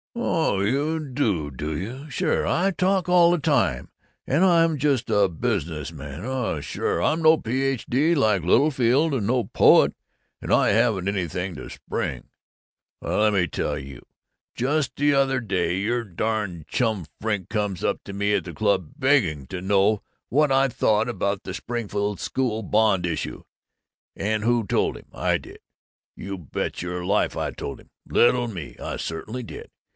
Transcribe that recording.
"Oh, you do, do you! Sure! I talk all the time! And I'm just a business man oh sure! I'm no Ph.D. like Littlefield, and no poet, and I haven't anything to spring! Well, let me tell you, just the other day your darn Chum Frink comes up to me at the club begging to know what I thought about the Springfield school bond issue. And who told him? I did! You bet your life I told him! Little me! I certainly did!